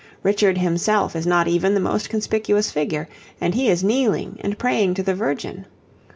Richard himself is not even the most conspicuous figure; and he is kneeling and praying to the Virgin.